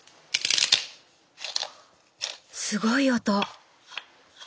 すごい音！